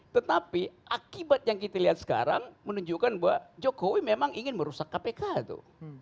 tetapi akibat yang kita lihat sekarang menunjukkan bahwa jokowi memang ingin merusak kpk tuh